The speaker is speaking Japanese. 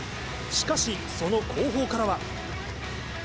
しかしその後方からは。